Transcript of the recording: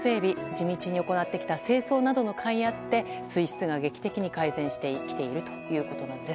地道に行ってきた清掃などのかいあって水質が劇的に改善してきているということです。